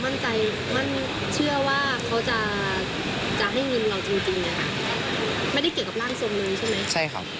มั่นเชื่อว่าเขาจะให้งินเราจริง